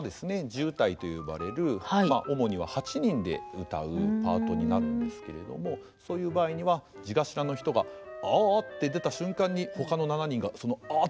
地謡と呼ばれる主には８人で謡うパートになるんですけれどもそういう場合には地頭の人が「ああ」って出た瞬間にほかの７人がその「ああ」って音に合わせて謡ってるんですよね。